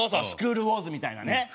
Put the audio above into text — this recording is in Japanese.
『スクール・ウォーズ』みたいなね。